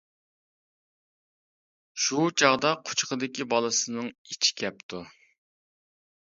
شۇ چاغدا قۇچىقىدىكى بالىسىنىڭ ئىچى كەپتۇ.